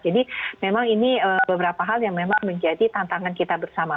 jadi memang ini beberapa hal yang memang menjadi tantangan kita bersama